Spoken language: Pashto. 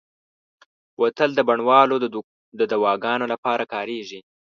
بوتل د بڼوالو د دواګانو لپاره کارېږي.